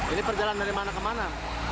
ini perjalanan dari mana ke mana